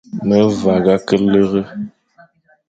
Me vagha ke lere.